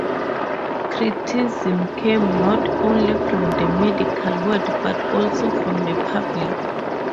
Criticism came not only from the medical world, but also from the public.